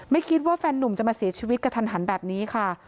ไม่คิดว่าแฟนนุ่มจะมาเสียชีวิตกระทันหันแบบนี้ค่ะ